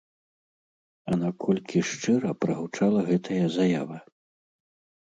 А наколькі шчыра прагучала гэтая заява?